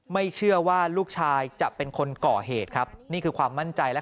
ไม่เชื่อว่าลูกชายจะเป็นคนก่อเหตุครับนี่คือความมั่นใจและ